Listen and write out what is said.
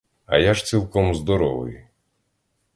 А я ж цілком здоровий.